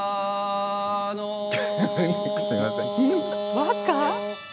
和歌？